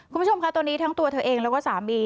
คุณผู้ชมค่ะตอนนี้ทั้งตัวเธอเองแล้วก็สามี